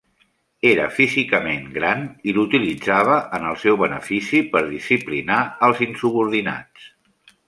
Era físicament gran i l'utilitzava en el seu benefici per disciplinar als insubordinats.